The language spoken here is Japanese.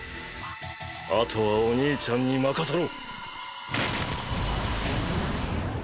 後はお兄ちゃんに任せろ。